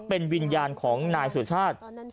เป็นวิญญาณของนายสุชาติ